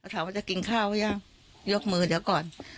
ถามว่าจะกินข้าวหรือยังยกมือเดี๋ยวก่อน